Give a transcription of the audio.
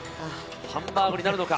ハンバーグになるのか。